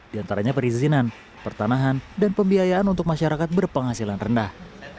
di antaranya perizinan pertanahan dan pembiayaan untuk masyarakat berpenghasilan rendah